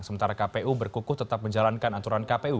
sementara kpu berkukuh tetap menjalankan aturan kpu